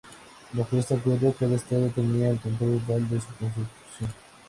Bajo este acuerdo, cada Estado tenía el control total de su constitución.